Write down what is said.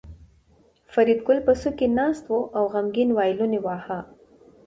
فریدګل په څوکۍ ناست و او غمګین وایلون یې واهه